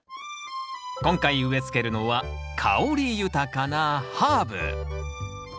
今回植えつけるのは香り豊かなハーブ。